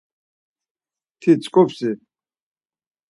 Ti ǩtzǩupsi?